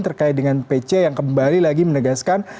terkait dengan pc yang kembali lagi menegaskan